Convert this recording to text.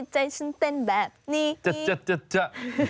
จะเล่นให้ใจฉันเต้นแบบนี้